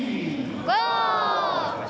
ゴー！